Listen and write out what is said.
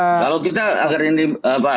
kalau kita agar ini